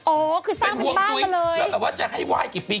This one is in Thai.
โอ้คือสร้างเป็นบ้านกันเลยเป็นห่วงสุยแล้วแบบว่าจะให้ไหว้กี่ปี